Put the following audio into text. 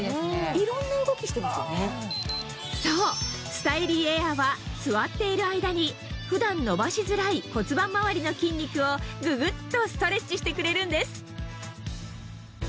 スタイリーエアーは座っている間に普段伸ばしづらい骨盤回りの筋肉をググっとストレッチしてくれるんです